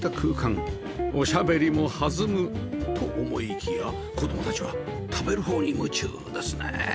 おしゃべりも弾むと思いきや子供たちは食べる方に夢中ですね